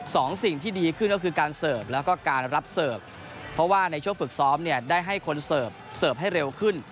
สองสิ่งที่ดีขึ้นก็คือการเสิร์ฟแล้วก็การรับเสิร์ฟเพราะว่าในช่วงฝึกซ้อมเนี่ยได้ให้คนเสิร์ฟเสิร์ฟให้เร็วขึ้น